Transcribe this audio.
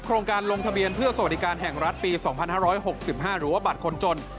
โรงการลงทะเบียนเพื่อสวัสดิการแห่งรัฐปี๒๕๖๕หรือว่าบัตรคนจน